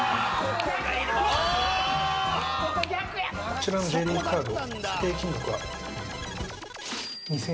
こちらのＪリーグカード。